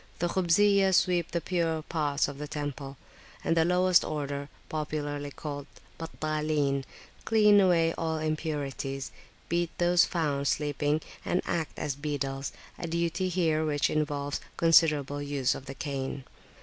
The Khubziyah sweep the purer parts of the temple, and the lowest order, popularly called "Battalin," clean away all impurities, beat those found sleeping, and act as beadles, a duty here which involves considerable use of the cane.